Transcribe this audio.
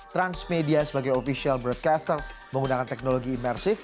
transmedia sebagai official broadcaster menggunakan teknologi imersif